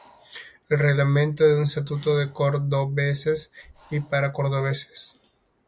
El Reglamento es un estatuto de cordobeses y para cordobeses.